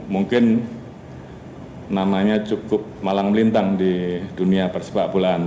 mungkin namanya cukup malang melintang di dunia persepak bolaan